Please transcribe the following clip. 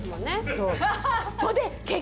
そう